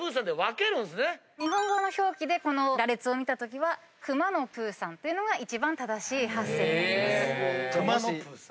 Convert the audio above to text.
日本語の表記で羅列を見たときは「くまのプーさん」っていうのが一番正しい発声になります。